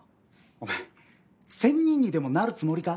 お前仙人にでもなるつもりか？